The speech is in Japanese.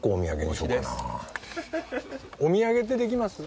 お土産ってできます？